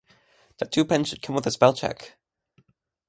Tattoo pens should come with spellcheck.